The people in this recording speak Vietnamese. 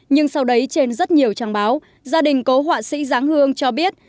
nhưng sau đấy trên rất nhiều trang báo gia đình cố họa sĩ giáng hương cho biết